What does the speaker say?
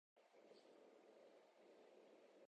Balɗe ɗiɗi mi nyaamaay, ndiyam timmi.